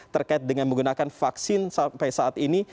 terkait dengan menggunakan vaksin sampai saat ini